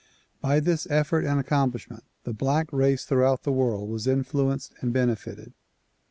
By this effort and accomplishment the black race throughout the world was influenced and benefited.